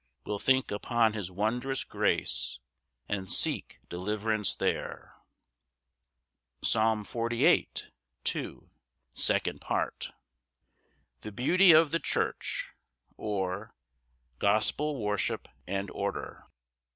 We'll think upon his wondrous grace, And seek deliverance there. Psalm 48:2. 10 14. Second Part. The beauty of the church; or, Gospel worship and order.